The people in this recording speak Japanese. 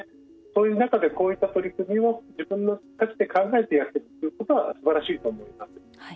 そういう中でこういった取り組みを自分たちで考えてやっていくということはすばらしいと思います。